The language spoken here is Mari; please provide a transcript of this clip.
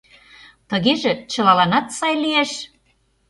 — Тыгеже чылаланат сай лиеш...